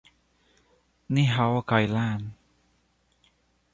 Ni Hao, Kai-Lan.